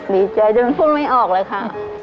ดีใจจนพูดไม่ออกเลยค่ะ